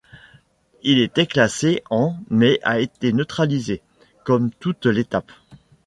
Il était classé en mais a été neutralisé, comme toute l'étape.